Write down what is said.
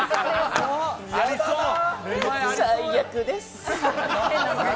最悪です！